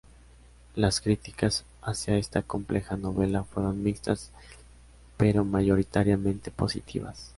Las críticas hacia esta compleja novela fueron mixtas, pero mayoritariamente positivas.